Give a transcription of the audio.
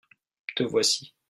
te voici.